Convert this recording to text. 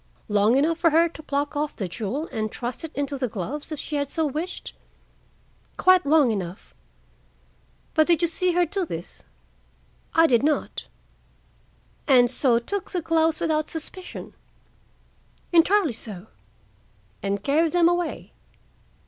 "Long enough for her to pluck off the jewel and thrust it into the gloves, if she had so wished?" "Quite long enough." "But you did not see her do this?" "I did not." "And so took the gloves without suspicion?" "Entirely so." "And carried them away?"